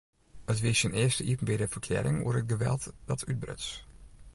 It wie syn earste iepenbiere ferklearring oer it geweld dat útbruts.